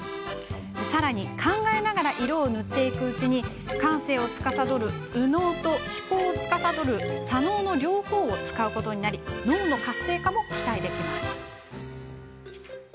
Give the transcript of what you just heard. さらに考えながら色を塗っていくうちに感性をつかさどる右脳と思考をつかさどる左脳の両方を使うことで脳の活性化も期待できます。